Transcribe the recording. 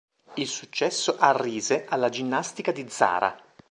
Il successo arrise alla Ginnastica di Zara.